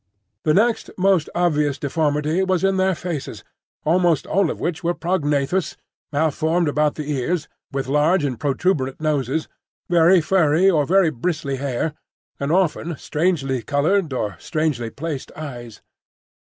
The next most obvious deformity was in their faces, almost all of which were prognathous, malformed about the ears, with large and protuberant noses, very furry or very bristly hair, and often strangely coloured or strangely placed eyes.